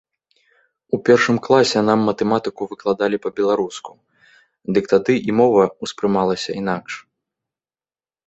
У першым класе нам матэматыку выкладалі па-беларуску, дык тады і мова ўспрымалася інакш.